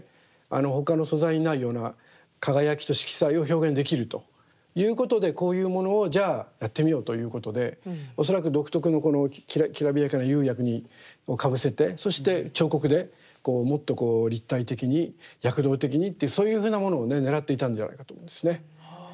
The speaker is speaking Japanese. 他の素材にないような輝きと色彩を表現できるということでこういうものをじゃあやってみようということで恐らく独特のきらびやかな釉薬をかぶせてそして彫刻でこうもっとこう立体的に躍動的にっていうそういうふうなものをねねらっていたんじゃないかと思うんですね。